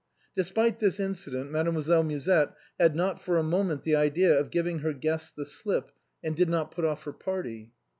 Despite this incident Mademoiselle Musette had not for a moment the idea of giving her guests the slip and did not put off her party.